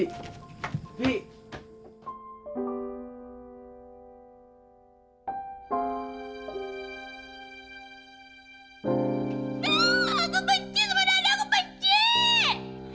aku pencet sama dandek aku pencet